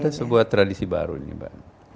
itu sebuah tradisi baru ini mbak